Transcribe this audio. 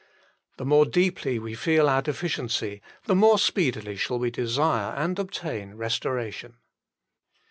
The more deeply we feel our deficiency, the more speedily shall we desire and obtain restoration.